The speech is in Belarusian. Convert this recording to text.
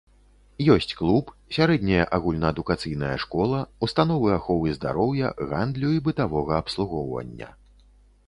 Ёсць клуб, сярэдняя агульнаадукацыйная школа, установы аховы здароўя, гандлю і бытавога абслугоўвання.